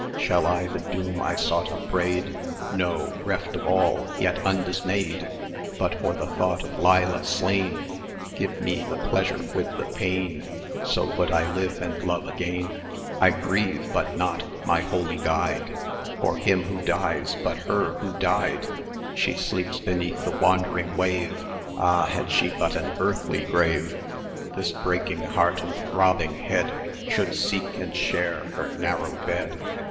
Shall I the doom I sought upbraid? No reft of all, yet undismayed[eg] But for the thought of Leila slain, Give me the pleasure with the pain, So would I live and love again. 1120 I grieve, but not, my holy Guide! For him who dies, but her who died: She sleeps beneath the wandering wave Ah! had she but an earthly grave, This breaking heart and throbbing head Should seek and share her narrow bed.